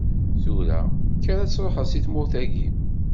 Tura, kker ad tṛuḥeḍ si tmurt-agi.